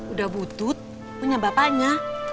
udah butut punya bapaknya